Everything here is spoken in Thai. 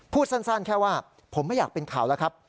พูดสั้นแค่ว่าผมไม่อยากเป็นข่าวแล้วครับ